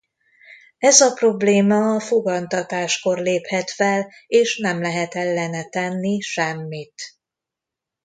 Ez a probléma a fogantatáskor léphet fel és nem lehet ellene tenni semmit.